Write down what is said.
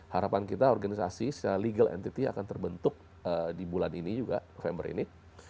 harapan kita organisasi secara legal entity akan terbentuk di bulan ini juga november ini